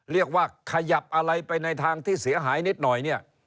เรียกว่าขยับอะไรไปในทางที่เสียหายนิดหน่อยเนี่ย